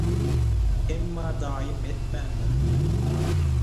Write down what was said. emma daýym etmändir.